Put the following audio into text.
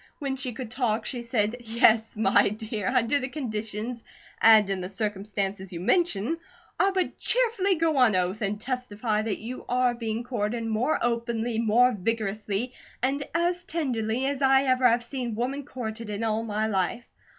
When she could talk, she said: "Yes, my dear, under the conditions, and in the circumstances you mention, I would cheerfully go on oath and testify that you are being courted more openly, more vigorously, and as tenderly as I ever have seen woman courted in all my life.